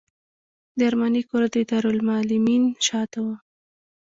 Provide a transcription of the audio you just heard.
د ارماني کور د دارالمعلمین شاته و.